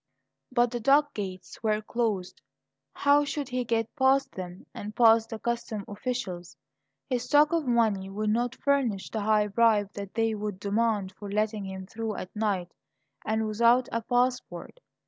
But the dock gates were closed. How should he get past them, and past the customs officials? His stock of money would not furnish the high bribe that they would demand for letting him through at night and without a passport.